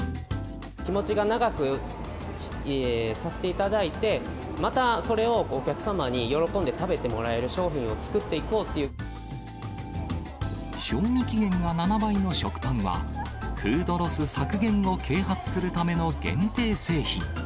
日持ちが長くさせていただいて、またそれをお客様に喜んで食べてもらえる商品を作っていこうって賞味期限が７倍の食パンは、フードロス削減を啓発するための限定製品。